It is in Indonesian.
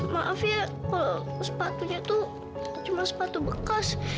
maaf ya sepatunya itu cuma sepatu bekas